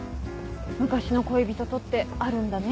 昔の恋人とってあるんだね